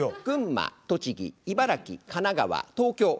群馬栃木茨城神奈川東京。